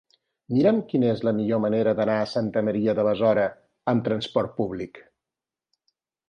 Mira'm quina és la millor manera d'anar a Santa Maria de Besora amb trasport públic.